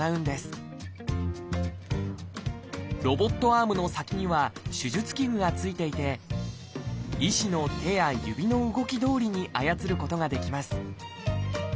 アームの先には手術器具が付いていて医師の手や指の動きどおりに操ることができます